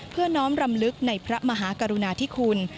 น้อมรำลึกในพระมหากรุณาธิคุณ